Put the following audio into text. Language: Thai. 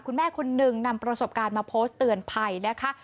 คุณแม่คนหนึ่งนำประสบการณ์มาโพสต์เตือนภัยนะคะ